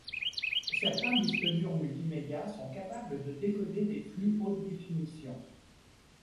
Certains disques durs multimédias sont capables de décoder des flux haute définition.